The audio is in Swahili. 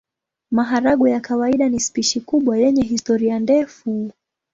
Maharagwe ya kawaida ni spishi kubwa yenye historia ndefu.